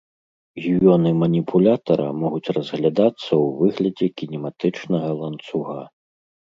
Звёны маніпулятара могуць разглядацца ў выглядзе кінематычнага ланцуга.